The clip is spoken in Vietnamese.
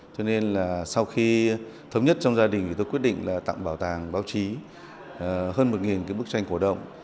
cho nên là sau khi thống nhất trong gia đình thì tôi quyết định là tặng bảo tàng báo chí hơn một cái bức tranh cổ động